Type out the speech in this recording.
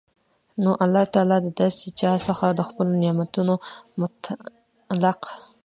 نو الله تعالی د داسي چا څخه د خپلو نعمتونو متعلق